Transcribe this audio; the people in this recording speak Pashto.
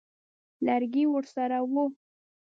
لرګی ورسره وو.